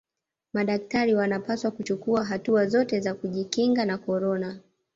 madakitari wanapaswa kuchukua hatua zote za kujikinga na korona